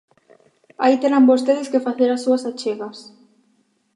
Aí terán vostedes que facer as súas achegas.